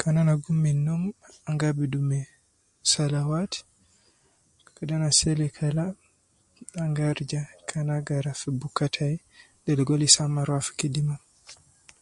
Kan ana gum min num ana gi abidu me salawat kan ana seli kalas angarija kana agara books tayi de logo ana Lisa maa ruwa fi kazi tayi